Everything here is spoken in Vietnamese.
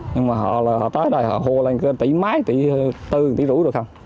nhưng mà họ tới đây họ hô lên một tỷ mái một tỷ tư một tỷ rưỡi rồi không